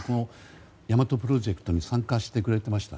「大和」プロジェクトに参加してくれていました。